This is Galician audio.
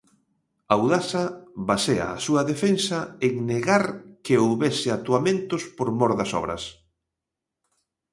Audasa basea a súa defensa en negar que houbese atoamentos por mor das obras.